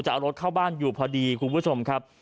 จะเอารถเข้าบ้านอยู่พอดีคุณผู้ชมครับ